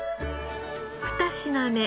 ２品目。